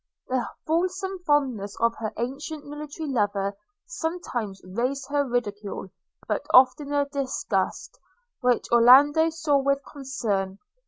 The fulsome fondness of her ancient military lover sometimes raised her ridicule, but oftener disgust, which Orlando saw with concern.